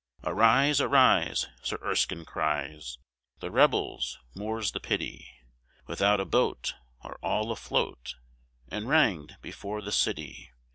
"Arise, arise," Sir Erskine cries, "The rebels more's the pity Without a boat, are all afloat, And rang'd before the city.